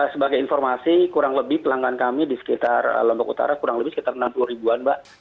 sebagai informasi kurang lebih pelanggan kami di sekitar lombok utara kurang lebih sekitar enam puluh ribuan mbak